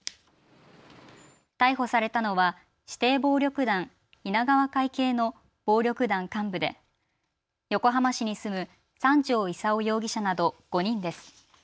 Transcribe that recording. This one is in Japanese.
逮捕されたのは指定暴力団稲川会系の暴力団幹部で横浜市に住む三條功容疑者など５人です。